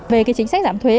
về cái chính sách giảm thuế